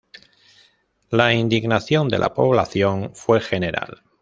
La indignación de la población fue general.